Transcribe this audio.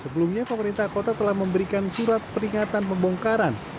sebelumnya pemerintah kota telah memberikan surat peringatan pembongkaran